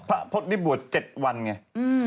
พระพศได้บวช๗วันไง